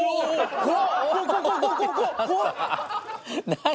何？